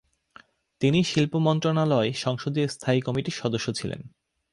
তিনি শিল্পমন্ত্রণালয় সংসদীয় স্থায়ী কমিটির সদস্য ছিলেন।